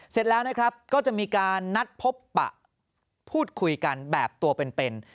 เสร็จแล้วนะครับก็จะมีการนัดพบปะพูดคุยกันแบบตัวเป็น